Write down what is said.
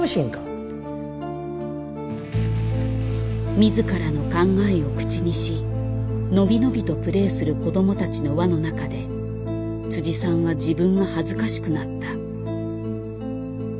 自らの考えを口にし伸び伸びとプレーする子どもたちの輪の中でさんは自分が恥ずかしくなった。